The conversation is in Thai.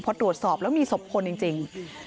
พอตรวจสอบแล้วมีศพคนจริง